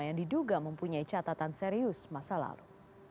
yang diduga mempunyai catatan serius masa lalu